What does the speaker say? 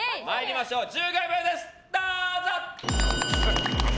１５秒です、どうぞ！